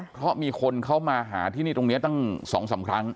เพราะมีคนเขามาหาที่นี่ตรงนี้ตั้ง๒๓ครั้ง